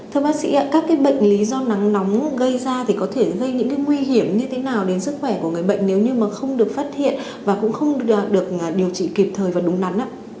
thưa bác sĩ ạ các bệnh lý do nắng nóng gây ra thì có thể gây những nguy hiểm như thế nào đến sức khỏe của người bệnh nếu như mà không được phát hiện và cũng không được điều trị kịp thời và đúng nắn